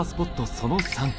その３。